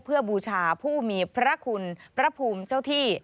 เพื่อบูชาผู้มีพระคุณพระภูมิเจ้าที่